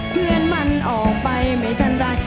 เพื่อนมันออกไปไม่ทันไร